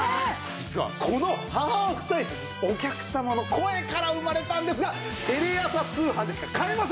実はこのハーフサイズお客様の声から生まれたんですがテレ朝通販でしか買えません！